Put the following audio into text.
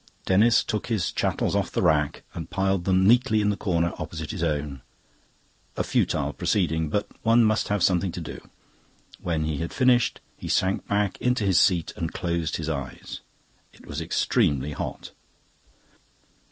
Denis took his chattels off the rack and piled them neatly in the corner opposite his own. A futile proceeding. But one must have something to do. When he had finished, he sank back into his seat and closed his eyes. It was extremely hot.